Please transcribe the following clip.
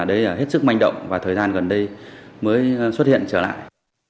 đây là hết sức manh động và thời gian gần đây mới xuất hiện trở lại